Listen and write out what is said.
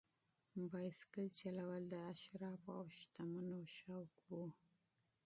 بایسکل چلول د اشرافو او شتمنو شوق و.